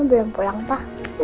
mama belum pulang pak